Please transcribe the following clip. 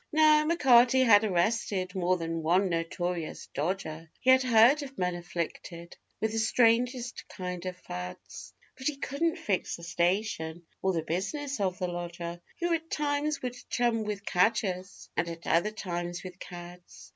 Now, M'Carty had arrested more than one notorious dodger, He had heard of men afflicted with the strangest kind of fads, But he couldn't fix the station or the business of the lodger, Who at times would chum with cadgers, and at other times with cads.